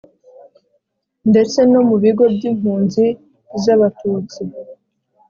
ndetse no mu bigo by'impunzi z'abatutsi,